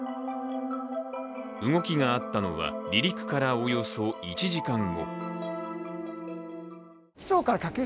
動きがあったのは離陸からおよそ１時間後。